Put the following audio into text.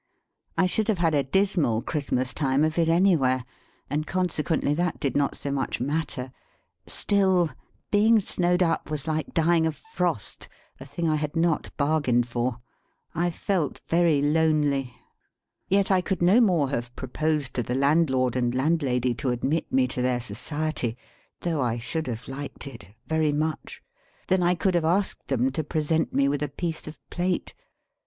I should have had a dismal Christmas time of it anywhere, and consequently that did not so much matter; still, being snowed up was like dying of frost, a thing I had not bargained for. I felt very lonely. Yet I could no more have proposed to the landlord and landlady to admit me to their society (though I should have liked it very much) than I could have asked them to present me with a piece of plate.